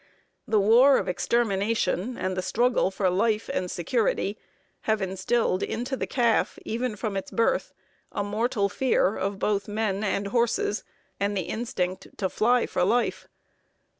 The war of extermination, and the struggle for life and security have instilled into the calf, even from its birth, a mortal fear of both men and horses, and the instinct to fly for life.